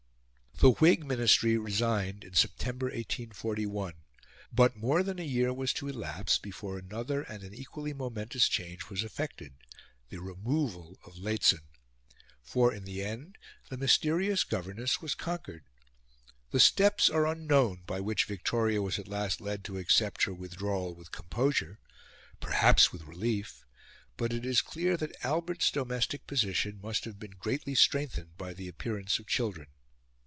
The Whig Ministry resigned in September, 1841; but more than a year was to elapse before another and an equally momentous change was effected the removal of Lehzen. For, in the end, the mysterious governess was conquered. The steps are unknown by which Victoria was at last led to accept her withdrawal with composure perhaps with relief; but it is clear that Albert's domestic position must have been greatly strengthened by the appearance of children.